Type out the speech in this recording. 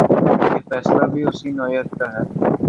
یہ فیصلہ بھی اسی نوعیت کا ہے۔